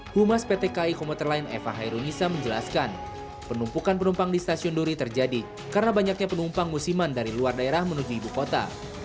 humas pt ki komuter line eva hairunisa menjelaskan penumpukan penumpang di stasiun duri terjadi karena banyaknya penumpang musiman dari luar daerah menuju ibu kota